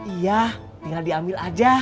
iya tinggal diambil aja